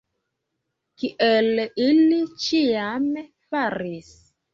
Kiel ili ĉiam faris.